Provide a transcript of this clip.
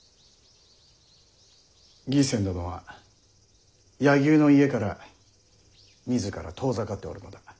義仙殿は柳生の家から自ら遠ざかっておるのだ。